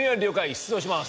出動します